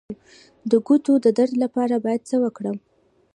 د ګوتو د درد لپاره باید څه وکړم؟